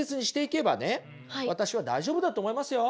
私は大丈夫だと思いますよ。